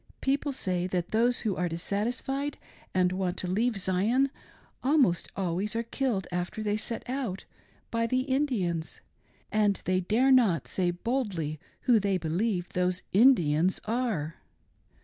People say that those who are dissatisfied and want to leave Zion, almost always are killed after they set out, by the Indians, and they dare not say boldly who they believe those "Indians" are.